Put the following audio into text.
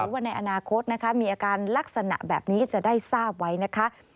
ว่าในอนาคตนะคะมีอาการลักษณะแบบนี้จะได้ทราบไว้นะคะ